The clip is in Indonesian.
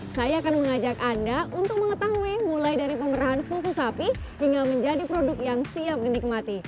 saya akan mengajak anda untuk mengetahui mulai dari pemerahan susu sapi hingga menjadi produk yang siap dinikmati